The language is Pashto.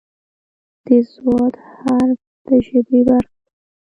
د "ض" حرف د ژبې برخه ده.